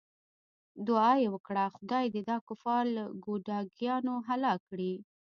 دعا یې وکړه خدای دې دا کفار له ګوډاګیانو هلاک کړي.